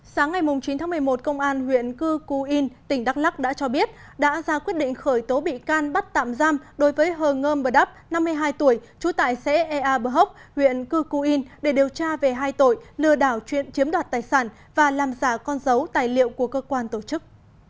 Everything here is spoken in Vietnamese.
sáng ngày chín tháng một mươi một công an huyện cư cù yên tỉnh đắk lắc đã cho biết đã ra quyết định khởi tố bị can bắt tạm giam đối với hờ ngơm bờ đắp năm mươi hai tuổi trú tại xã ea bờ hốc huyện cư cù yên để điều tra về hai tội lừa đảo chuyện chiếm đoạt tài sản và làm giả con dấu tài liệu của cơ quan tổ chức